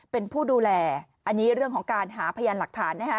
เป็นผู้ดูแลอันนี้เรื่องของการหาพยานหลักฐานนะฮะ